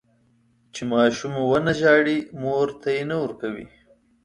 چې ماشوم ونه زړي، مور تی نه ورکوي.